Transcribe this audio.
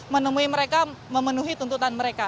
menemui mereka memenuhi tuntutan mereka